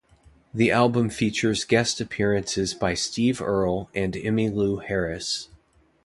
The album features guest appearances by Steve Earle and Emmylou Harris.